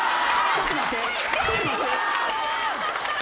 ちょっと待って。